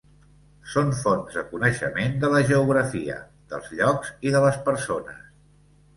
Són fonts de coneixement de la geografia, dels llocs i de les persones.